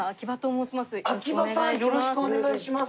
よろしくお願いします。